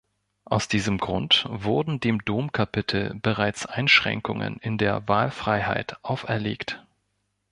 Aus diesem Grund wurden dem Domkapitel bereits Einschränkungen in der Wahlfreiheit auferlegt.